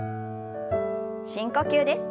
深呼吸です。